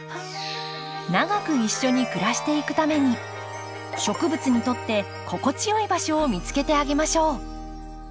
長く一緒に暮らしていくために植物にとって心地よい場所を見つけてあげましょう。